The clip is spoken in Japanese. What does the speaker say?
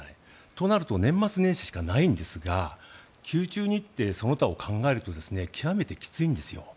となると年末年始しかないんですが宮中日程、その他を考えると極めてきついんですよ。